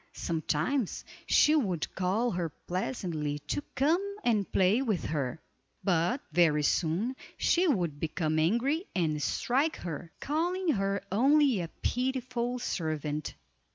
Sometimes she would call her pleasantly to come and play with her, but very soon she would become angry and strike her, calling her "only a pitiful servant."